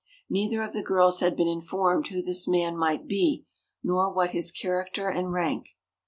Neither of the girls had been informed who this man might be, nor what his character and rank.